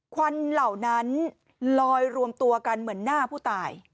ควันเหล่านั้นลอยรวมตัวกันเหมือนหน้าผู้ตาย